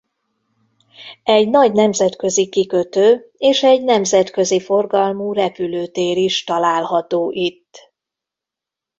Egy nagy nemzetközi kikötő és egy nemzetközi forgalmú repülőtér is található itt.